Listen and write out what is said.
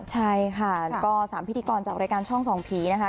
ใช่ค่ะก็๓พิธีกรจากรายการช่องส่องผีนะคะ